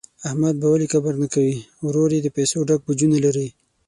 احمد به ولي کبر نه کوي، ورور یې د پیسو ډک بوجونه لري.